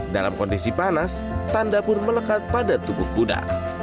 dalam kondisi panas tanda pun melekat pada tubuh kuda